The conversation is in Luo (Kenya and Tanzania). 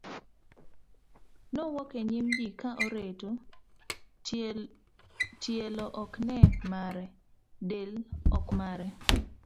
nowuok e nyim ji ka oreto, tielo ok ne mare, del ok mare